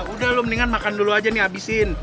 udah lo mendingan makan dulu aja nih abisin